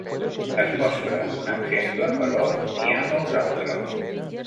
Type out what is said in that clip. Es mostra un exemple, però n'hi ha molts altres.